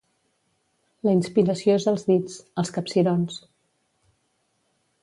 La inspiració és als dits, als capcirons.